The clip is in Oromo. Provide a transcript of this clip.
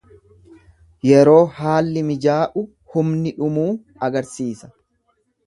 Yeroo haalli mijaa'u humni dhumuu argisiisa.